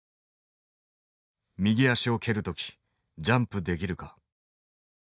「右足をけるときジャンプできるか？」。